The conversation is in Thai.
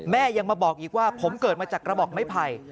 ยังมาบอกอีกว่าผมเกิดมาจากกระบอกไม้ไผ่